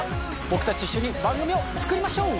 僕たちと一緒に番組を作りましょう！